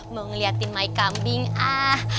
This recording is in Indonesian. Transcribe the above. mau ngeliatin my kambing ah